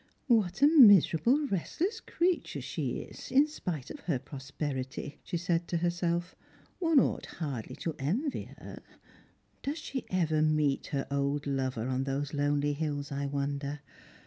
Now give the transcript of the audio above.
" What a miserable restless creature she is, in spite of her prosperity," she said to herself. " One ought hardly to envy her. Does she ever meet her old lover on those lonely hills, I wonder?